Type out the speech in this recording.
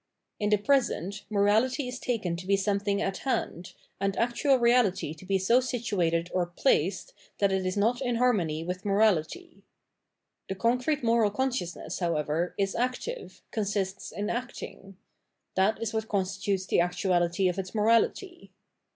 In the present, morality is taken to be something at hand, and actual reality to be so situated or " placed " that it is not in harmony with morality. The concrete moral consciousness, however, is active, consists in acting ; that is what constitutes the actuality of its morality.